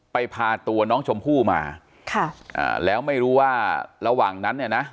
พาตัวน้องชมพู่มาค่ะอ่าแล้วไม่รู้ว่าระหว่างนั้นเนี่ยนะ